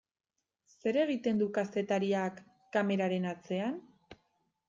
Zer egiten du kazetariak kameraren atzean?